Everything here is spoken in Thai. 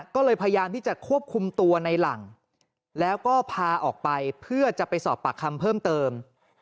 ก็เลยพยายามที่จะควบคุมตัวในหลังแล้วก็พาออกไปเพื่อจะไปสอบปากคำเพิ่มเติม